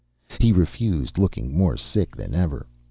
He refused, looking more sick than ever.